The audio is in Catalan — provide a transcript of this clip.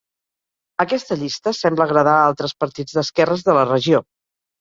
Aquesta llista sembla agradar a altres partits d'esquerres de la regió.